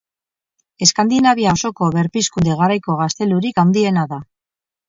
Eskandinavia osoko berpizkunde garaiko gaztelurik handiena da.